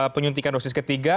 penyuntikan dosis ketiga